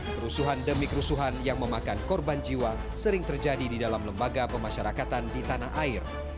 kerusuhan demi kerusuhan yang memakan korban jiwa sering terjadi di dalam lembaga pemasyarakatan di tanah air